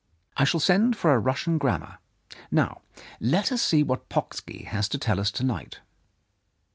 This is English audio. I shall send for a Russian grammar. Now, let us see what Pocksky has to tell us to night."